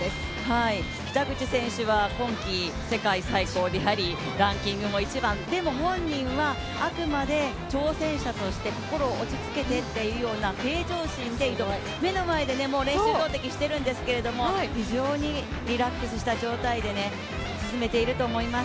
北口選手は今季世界最高、ランキングも１番でも本人はあくまで挑戦者として心を落ち着けてというような平常心で挑む、目の前でもう練習投てきしてるんですけど、非常にリラックスした状態で進めていると思います。